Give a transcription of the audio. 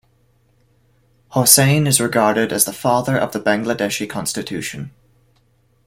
Hossain is regarded as the father of the Bangladeshi constitution.